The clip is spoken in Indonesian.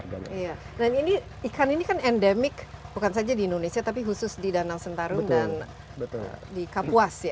dan ini ikan ini kan endemik bukan saja di indonesia tapi khusus di danang sentarung dan di kapuas ya